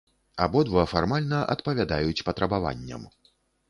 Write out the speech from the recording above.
Абодва фармальна адпавядаюць патрабаванням.